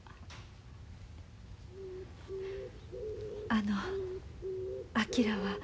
あの昭は。